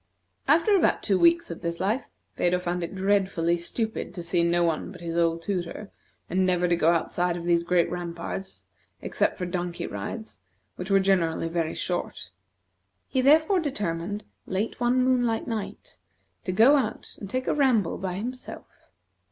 After about two weeks of this life Phedo found it dreadfully stupid to see no one but his old tutor, and never to go outside of these great ramparts except for donkey rides, which were generally very short. He therefore determined, late one moonlight night, to go out and take a ramble by himself.